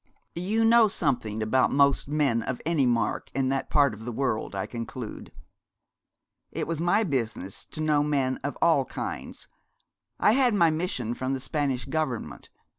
'You know something about most men of any mark in that part of the world, I conclude?' 'It was my business to know men of all kinds. I had my mission from the Spanish Government.